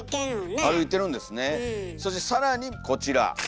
そして更にこちら。